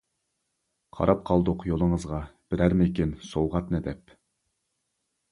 قاراپ قالدۇق يولىڭىزغا، بىرەرمىكىن سوۋغاتنى دەپ.